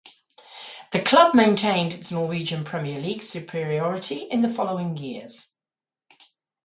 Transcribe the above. The club maintained its Norwegian Premier League superiority in the following years.